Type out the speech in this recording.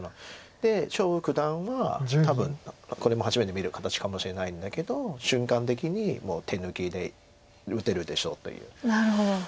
で張栩九段は多分これも初めて見る形かもしれないんだけど瞬間的にもう手抜きで打てるでしょうという。